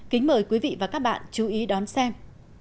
kính mời quý vị và các bạn chú ý đón xem